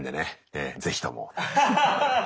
ええ是非とも。